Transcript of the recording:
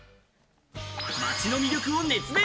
街の魅力を熱弁。